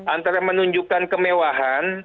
antara menunjukkan kemewahan